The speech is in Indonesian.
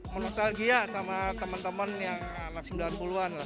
menostalgia sama teman teman yang anak sembilan puluh an lah